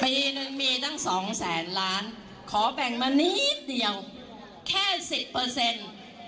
ปีหนึ่งมีตั้งสองแสนล้านขอแบ่งมานิดเดียวแค่สิบเปอร์เซ็นต์